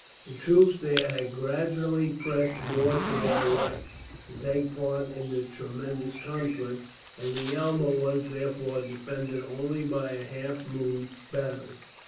The troops there had gradually pressed more to their right, to take part in the tremendous conflict; and the elbow was, therefore, defended only by a half moon battery.